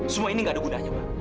semua ini nggak ada gunanya ma